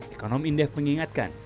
ekonomi indef mengingatkan